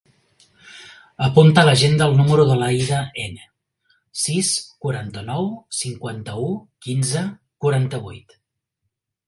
Apunta a l'agenda el número de l'Aïda Ene: sis, quaranta-nou, cinquanta-u, quinze, quaranta-vuit.